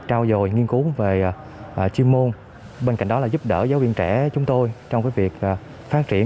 trao dồi nghiên cứu về chuyên môn bên cạnh đó là giúp đỡ giáo viên trẻ chúng tôi trong việc phát triển